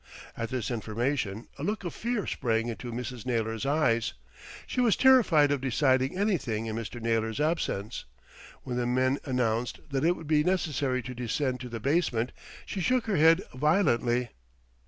At this information a look of fear sprang into Mrs. Naylor's eyes. She was terrified of deciding anything in Mr. Naylor's absence. When the men announced that it would be necessary to descend to the basement, she shook her head violently.